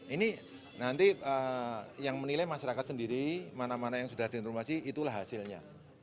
ini nanti yang menilai masyarakat sendiri mana mana yang sudah diinformasi itulah hasilnya